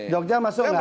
jogja masuk nggak